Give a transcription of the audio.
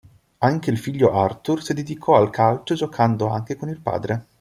Anche il figlio Artur si dedicò al calcio giocando anche con il padre.